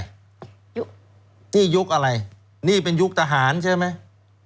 นี่ยุคอะไรนี่เป็นยุคทหารใช่ไหม